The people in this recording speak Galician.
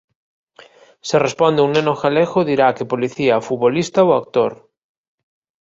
Se responde un neno galego dirá que policía, futbolista ou actor.